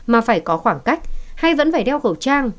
mà phải có khoảng cách hay vẫn phải đeo khẩu trang